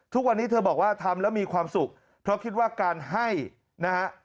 ทุกวันนี้เธอบอกว่าทำแล้วมีความสุขเพราะคิดว่าการให้นะฮะ